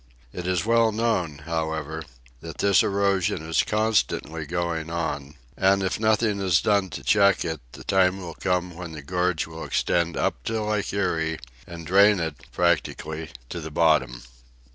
It is well known, however, that this erosion is constantly going on, and if nothing is done to check it the time will come when the gorge will extend up to Lake Erie and drain it, practically, to the bottom.